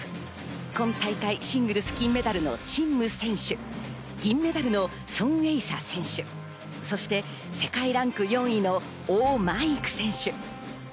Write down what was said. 今大会、シングルス金メダルのチン・ム選手、銀メダルのソン・エイサ選手、そして世界ランク４位のオウ・マンイク選手。